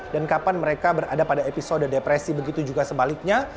dan kapan mereka berada pada episode depresi begitu juga sebaliknya